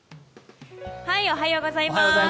おはようございます。